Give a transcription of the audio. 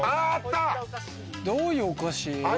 どういうお菓子？